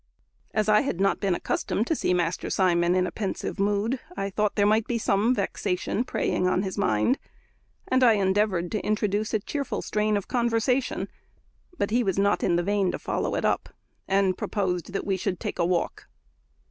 As I had not been accustomed to see Master Simon in a pensive mood, I thought there might be some vexation preying on his mind, and I endeavoured to introduce a cheerful strain of conversation; but he was not in the vein to follow it up, and proposed that we should take a walk.